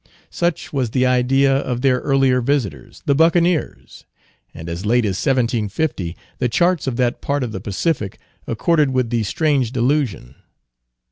Such was the idea of their earlier visitors, the Buccaneers; and as late as 1750, the charts of that part of the Pacific accorded with the strange delusion.